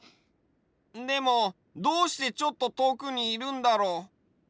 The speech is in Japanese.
でもどうしてちょっととおくにいるんだろう？